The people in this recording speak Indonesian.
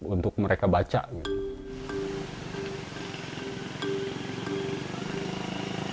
untuk mereka baca gitu